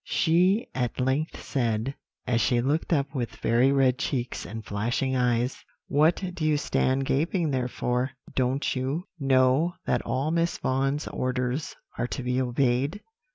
she at length said, as she looked up with very red cheeks and flashing eyes; 'what do you stand gaping there for? Don't you know that all Miss Vaughan's orders are to be obeyed?